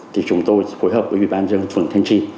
thì chúng tôi phối hợp với ủy ban dân phường thanh trì